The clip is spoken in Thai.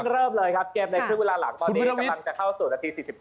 เริ่มแล้วครับเกมในครั้งเวลาหลังกำลังเข้าสุดนาที๔๗